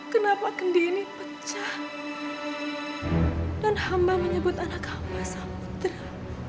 kenapa kendini pecah dan hamba menyebut anak hamba samudera